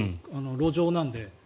路上なので。